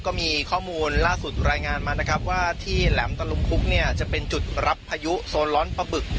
ก็มีข้อมูลล่าสุดรายงานมานะครับว่าที่แหลมตะลุมคุกเนี่ยจะเป็นจุดรับพายุโซนร้อนปลาบึก